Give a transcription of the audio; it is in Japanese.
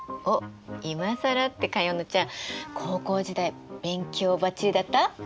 おっいまさらって加弥乃ちゃん高校時代勉強ばっちりだった？